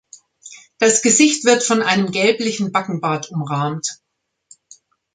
Das Gesicht wird von einem gelblichen Backenbart umrahmt.